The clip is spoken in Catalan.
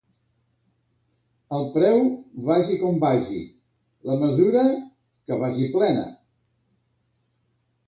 El preu, vagi com vagi; la mesura, que vagi plena.